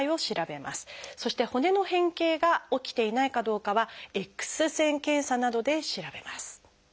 そして骨の変形が起きていないかどうかは「Ｘ線検査」などで調べます。